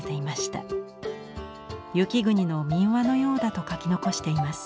雪国の民話のようだと書き残しています。